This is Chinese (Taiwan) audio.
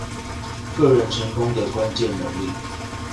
個人成功的關鍵能力